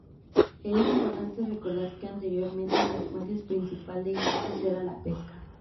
Es importante recordar que anteriormente la fuente principal de ingresos era la pesca.